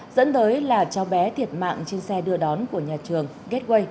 dẫn tới là cháu bé thiệt mạng trên xe đưa đón của nhà trường gateway